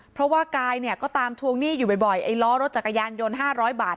เพราะว่ากายเนี่ยก็ตามทวงหนี้อยู่บ่อยไอ้ล้อรถจักรยานยนต์๕๐๐บาท